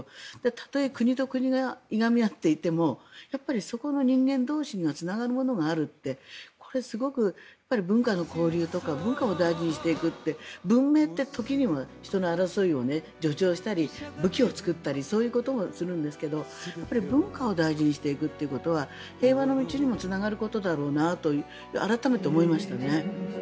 たとえ国と国がいがみ合っていてもそこの人間同士がつながるものがあるってこれはすごく文化の交流とか文化を大事にしていくって文明って時には人の争いを助長したり武器を作ったりそういうこともするんですけどやはり文化を大事にしていくということは平和の道にもつながることだと改めて思いましたね。